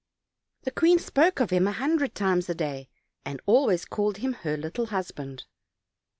The queen spoke of him a hundred times a day, and always called him her little husband.